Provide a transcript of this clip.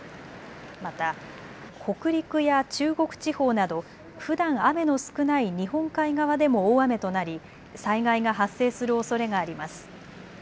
また北陸や中国地方などふだん雨の少ない日本海側でも大雨となり災害が発生するおそれがあります。